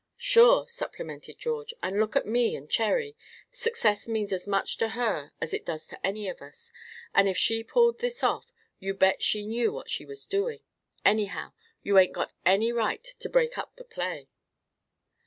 "Sure!" supplemented George; "and look at me and Cherry. Success means as much to her as it does to any of us, and if she pulled this off, you bet she knew what she was doing. Anyhow, you ain't got any right to break up the play."